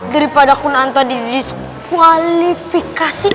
daripada kunanta di disqualifikasi